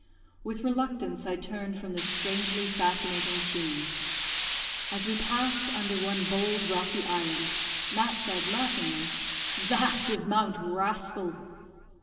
With reluctance I turned from this strangely fascinating scene. As we passed under one bold rocky island, Mat said, laughingly, "That is Mount Rascal."